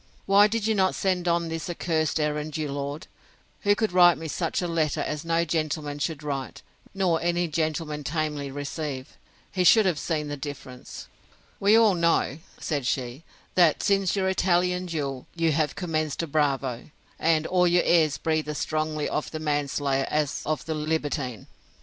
—Why did you not send on this accursed errand your lord, who could write me such a letter as no gentleman should write, nor any gentleman tamely receive? He should have seen the difference. We all know, said she, that, since your Italian duel, you have commenced a bravo; and all your airs breathe as strongly of the manslayer as of the libertine.